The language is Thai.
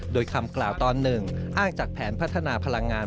โดยคำกล่าวตอนหนึ่งอ้างจากแผนพัฒนาพลังงาน